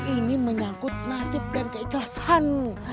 ini menyangkut nasib dan keikhlasanmu